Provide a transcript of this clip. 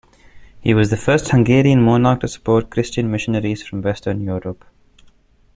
He was the first Hungarian monarch to support Christian missionaries from Western Europe.